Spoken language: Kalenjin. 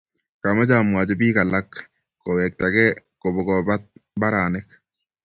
kamache amwachii biik alak kiwegtegei kobugobaat mbaronik